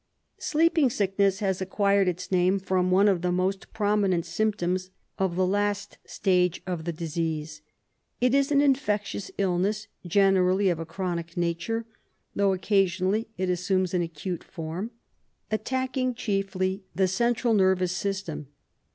Sleeping sickness has acquired its name from one of the most prominent symptoms of the last stage of the disease. It is an infectious illness, generally of a chronic nature, though occasionally it assumes an acute form, attacking chiefly the central nervous system.